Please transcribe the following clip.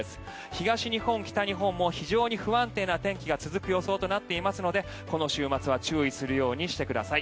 東日本、北日本も非常に不安定な天気が続く予想となっていますのでこの週末は注意するようにしてください。